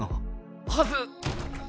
はず。